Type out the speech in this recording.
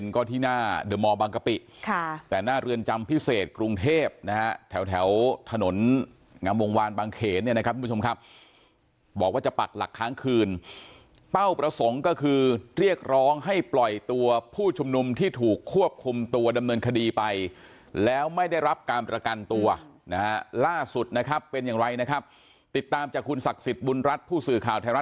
ก็ที่หน้าเดอร์มอร์บางกะปิค่ะแต่หน้าเรือนจำพิเศษกรุงเทพนะฮะแถวแถวถนนงามวงวานบางเขนเนี่ยนะครับทุกผู้ชมครับบอกว่าจะปักหลักค้างคืนเป้าประสงค์ก็คือเรียกร้องให้ปล่อยตัวผู้ชุมนุมที่ถูกควบคุมตัวดำเนินคดีไปแล้วไม่ได้รับการประกันตัวนะฮะล่าสุดนะครับเป็นอย่างไรนะครับติดตามจากคุณศักดิ์สิทธิบุญรัฐผู้สื่อข่าวไทยรัฐ